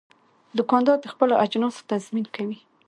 دوکاندار د خپلو اجناسو تضمین کوي.